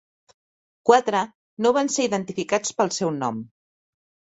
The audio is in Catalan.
Quatre no van ser identificats pel seu nom.